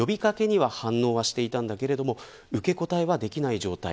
呼び掛けには反応していたけれど受け答えはできない状態。